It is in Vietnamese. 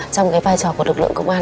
trong cái vai trò của lực lượng công an